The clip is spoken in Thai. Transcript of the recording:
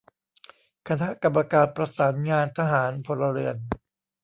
คณะกรรมการประสานงานทหาร-พลเรือน